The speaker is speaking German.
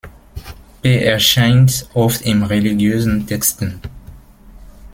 Pe erscheint oft in religiösen Texten.